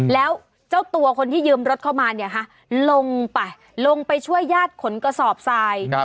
แล้วเจ้าตัวคนที่ยืมรถเข้ามาเนี่ยค่ะลงไปลงไปช่วยญาติขนกระสอบทราย